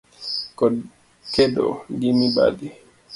kod kedo gi mibadhi.